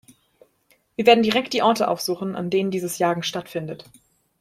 Wir werden direkt die Orte aufsuchen, an denen dieses Jagen stattfindet.